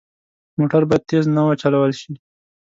موټر باید تېز نه وچلول شي.